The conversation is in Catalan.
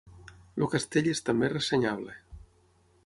El castell és també ressenyable.